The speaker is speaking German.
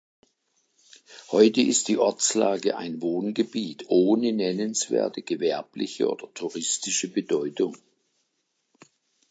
Heute ist die Ortslage ein Wohngebiet ohne nennenswerte gewerbliche oder touristische Bedeutung.